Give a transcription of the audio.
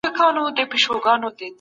د کور او دفتر تر منځ توازن مهم دی.